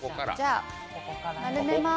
丸めまーす。